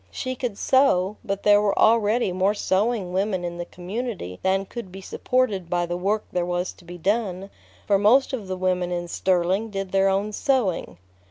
She could sew, but there were already more sewing women in the community than could be supported by the work there was to be done, for most of the women in Sterling did their own sewing.